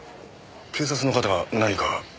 警察の方が何か？